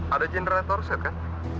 ada generator set kan